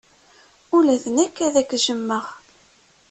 Ula d nekk ad k-jjmeɣ.